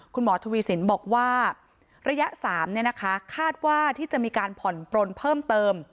คุณหมอทวีสินบอกว่าระยะ๓คาดว่าที่จะมีการผ่อนปลนเพิ่มเติม